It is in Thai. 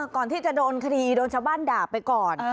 ก่อนที่จะโดนคดีโดนชาวบ้านด่าไปก่อน